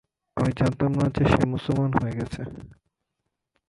আমি জানতামনা যে, সে মুসলমান হয়ে গেছে।